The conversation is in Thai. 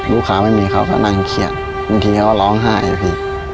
ลูกค้าไม่มีเขาก็นั่งเขียนบางทีเขาก็ร้องไห้